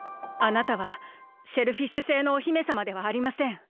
あなたはシェルフィッシュ星のお姫さまではありません。